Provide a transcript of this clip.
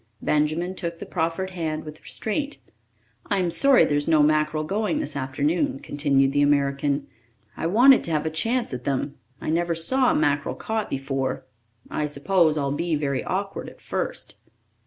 Benjamin took the proffered hand with restraint. "I'm sorry there's no mackerel going this afternoon," continued the American. "I wanted to have a chance at them. I never saw mackerel caught before. I suppose I'll be very awkward at first."